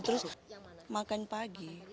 terus makan pagi